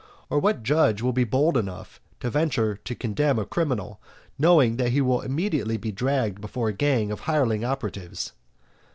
or what judge will be bold enough to venture to condemn a criminal, knowing that he will immediately be dragged before a gang of hireling operatives?